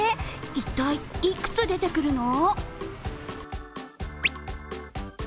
一体いくつ出てくるの？